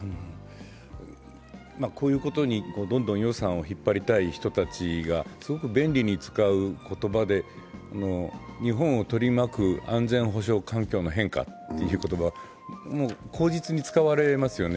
こういうことに予算を引っ張りたい人たちがすごく便利に使う言葉で日本を取り巻く安全保障環境変化という言葉が口実に使われますよね。